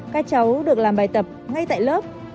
các cháu được làm bài tập ngay tại lớp